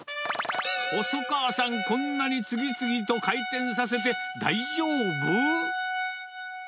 細川さん、こんなに次々と開店させて大丈夫？